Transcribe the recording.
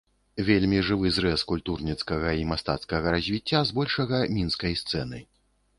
Вельмі жывы зрэз культурніцкага і мастацкага развіцця з большага мінскай сцэны.